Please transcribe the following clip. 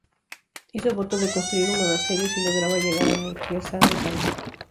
Hizo voto de construir un monasterio si lograba llegar a Moutier sano y salvo.